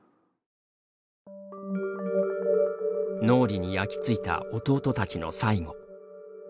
脳裏に焼き付いた弟たちの最期。